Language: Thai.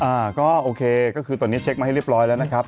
อ่าก็โอเคก็คือตอนนี้เช็คมาให้เรียบร้อยแล้วนะครับ